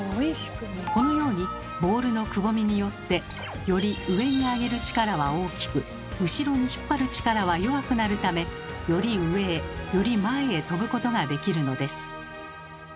このようにボールのくぼみによってより上にあげる力は大きく後ろに引っ張る力は弱くなるためより上へより前へ飛ぶことができるのです。